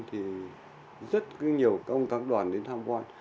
thì rất nhiều các ông các đoàn đến tham quan